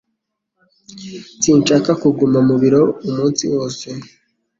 Sinshaka kuguma mu biro umunsi wose